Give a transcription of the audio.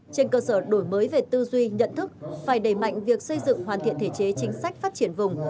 trên cơ sở đổi mới về tư duy nhận thức phải đẩy mạnh việc xây dựng hoàn thiện thể chế chính sách phát triển vùng